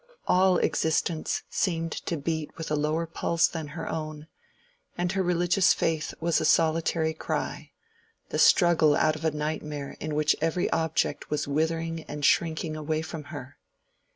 All existence seemed to beat with a lower pulse than her own, and her religious faith was a solitary cry, the struggle out of a nightmare in which every object was withering and shrinking away from her.